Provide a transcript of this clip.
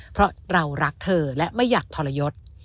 เพราะเรารักเธอและไม่อยากทรยศ